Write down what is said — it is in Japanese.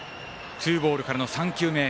ツーボールからの３球目。